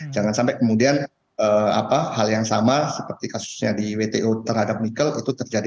jangan sampai kemudian hal yang sama seperti kasusnya di wto terhadap nikel itu terjadi